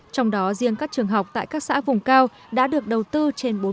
trong đó riêng các trường học tại các xã vùng cao đã được đầu tư trên bốn tỷ đồng